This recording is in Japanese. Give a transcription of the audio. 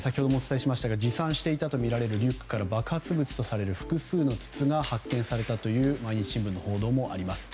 持参していたとみられるリュックから爆発物とみられる複数の筒が発見されたという毎日新聞の報道もあります。